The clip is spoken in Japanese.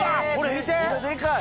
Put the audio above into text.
めっちゃデカい。